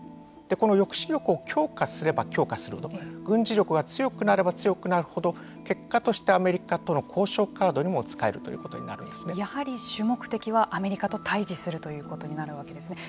この抑止力を強化すればするほど軍事力が強くなれば強くなるほど結果としてアメリカとの交渉カードにも使えるやはり、主目的はアメリカと対じするということになるんでしょうね。